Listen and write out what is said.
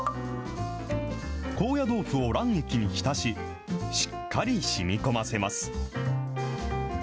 高野豆腐を卵液に浸し、しっかりしみこませます。